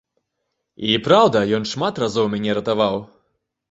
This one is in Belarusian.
І праўда, ён шмат разоў мяне ратаваў.